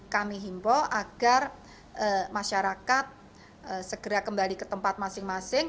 kami himbau agar masyarakat segera kembali ke tempat masing masing